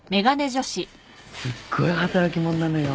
すっごい働き者なのよ。